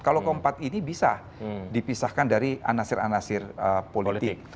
kalau keempat ini bisa dipisahkan dari anasir anasir politik